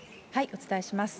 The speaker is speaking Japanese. お伝えします。